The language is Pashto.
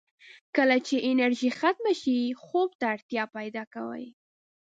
کله یې چې انرژي ختمه شي، خوب ته اړتیا پیدا کوي.